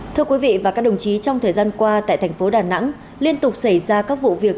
thưa quý vị và các đồng chí trong thời gian qua tại thành phố đà nẵng liên tục xảy ra các vụ việc